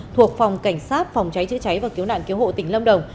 thuộc phòng cảnh sát phòng cháy chữa cháy và cứu nạn cứu hộ tỉnh lâm đồng